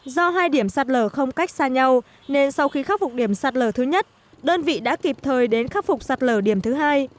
do hai điểm sạt lở không cách xa nhau nên sau khi khắc phục điểm sạt lở thứ nhất đơn vị đã kịp thời đến khắc phục sạt lở điểm thứ hai